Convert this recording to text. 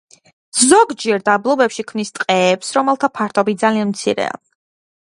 ზოგჯერ დაბლობებში ქმნის ტყეებს, რომელთა ფართობი ძალიან მცირეა.